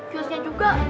kiosnya juga bisa dibeli ya